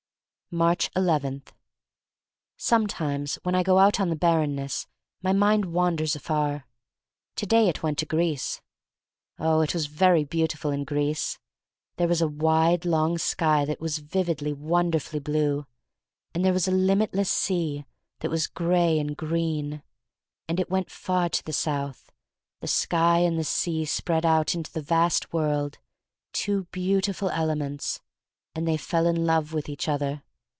Aatcb 11. SOMETIMES when I go out on the barrenness my mind wanders afar. To day it went to Greece. Oh, it was very beautiful in Greece! There was a wide, long sky that was vividly, wonderfully blue. And there was a limitless sea that was gray and green. And it went far to the south. The sky and the sea spread out into the vast world — two beautiful elements, and they fell in love with each other.